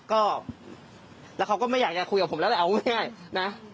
ก็แล้วเขาก็ไม่อยากจะคุยกับผมแล้วแหละเอาง่ายนะ